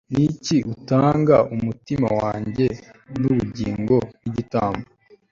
Niki utanga umutima wanjye nubugingo nkigitambo